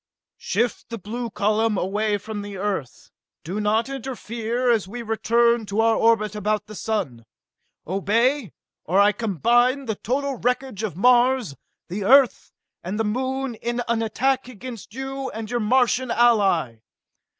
"Shift the blue column away from the Earth! Do not interfere as we return to our orbit about the sun! Obey, or I combine the total knowledge of Mars, the Earth, and the Moon in an attack against you and your Martian ally!